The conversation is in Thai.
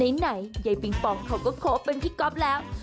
ไหนยายปิงปองเขาก็คบเป็นพี่ก๊อฟแล้ว